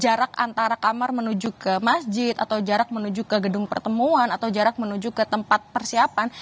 jarak antara kamar menuju ke masjid atau jarak menuju ke gedung pertemuan atau jarak menuju ke tempat persiapan